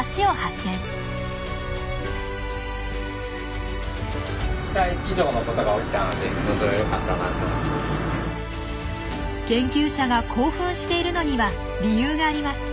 研究者が興奮しているのには理由があります。